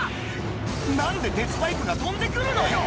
何で鉄パイプが飛んで来るのよ！